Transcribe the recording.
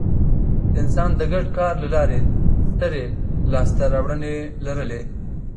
انسان د ګډ کار له لارې سترې لاستهراوړنې لرلې.